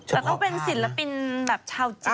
แล้วก็เป็นศิลปินแบบชาวเจ๊